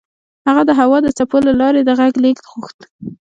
هغه د هوا د څپو له لارې د غږ لېږد غوښت